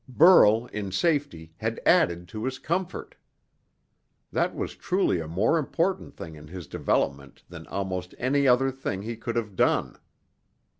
Burl, in safety, had added to his comfort. That was truly a more important thing in his development than almost any other thing he could have done.